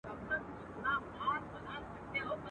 كومه پېغله به غرمه د ميوند سره كي.